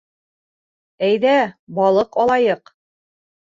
Әйҙә балыҡ алайыҡ